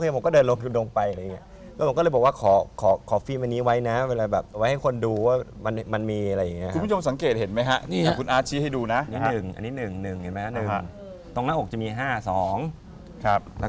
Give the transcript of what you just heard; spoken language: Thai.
หมอก็บอกฟังเข็มมากหรอก